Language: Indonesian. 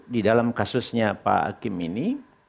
di dalam kasusnya pak hakim ini